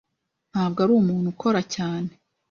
Ntabwo ari umuntu ukora cyane.